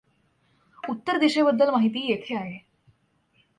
उत्तर दिशेबद्दल माहिती येथे आहे.